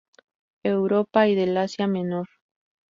Europa y del Asia Menor.